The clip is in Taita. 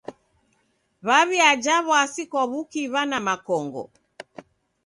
W'aw'iaja w'asi kwa w'ukiw'a na makongo.